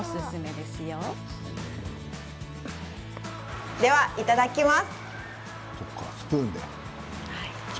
では、いただきます。